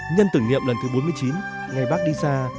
nhân tử nghiệm lần thứ bốn mươi chín ngày bác đi xa